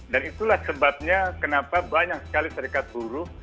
dan itulah sebabnya kenapa banyak sekali serikat buruh